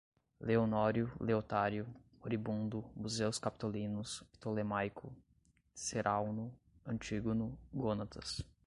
Leonório, Leotário, moribundo, Museus Capitolinos, ptolemaico, Cerauno, Antígono Gônatas